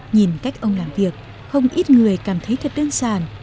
nhìn cách ông làm việc không ít người cảm thấy thật đơn giản